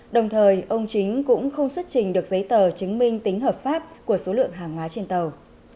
đồng thời ông chính cũng không xuất trình được giấy tờ chứng minh tính hợp pháp của số lượng hàng hóa trên tàu